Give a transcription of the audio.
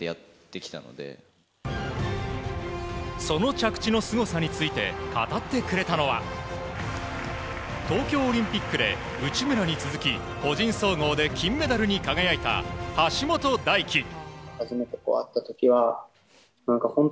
その着地のすごさについて語ってくれたのは東京オリンピックで、内村に続き個人総合で金メダルに輝いた橋本大輝。